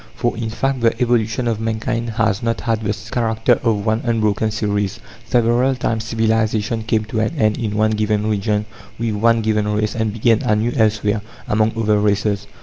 For, in fact, the evolution of mankind has not had the character of one unbroken series. Several times civilization came to an end in one given region, with one given race, and began anew elsewhere, among other races.